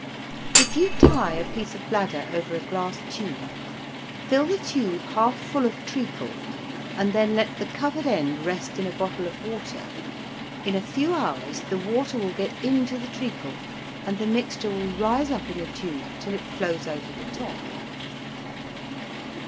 If you tie a piece of bladder over a glass tube, fill the tube half full of treacle, and then let the covered end rest in a bottle of water, in a few hours the water will get in to the treacle and the mixture will rise up in the tube till it flows over the top.